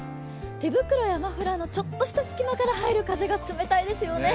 手袋やマフラーのちょっとした隙間から入る風が冷たいですよね。